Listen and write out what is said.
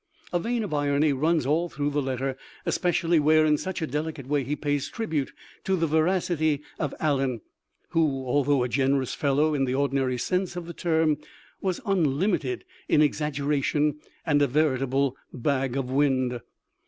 A vein of irony runs all through the letter, especially where in such a delicate way he pays tribute to the veracity of Allen, who, although a generous fellow in the ordi nary sense of the term, was unlimited in exaggera tion and a veritable bag of wind.